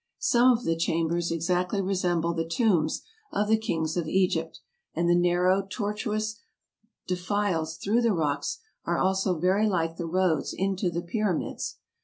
Some of the chambers exactly resemble the tombs of the kings of Egypt, and the narrow, tortuous defiles through the rocks are also very like the roads into the Pyra mids.